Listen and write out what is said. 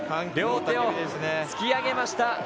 両手を突き上げました。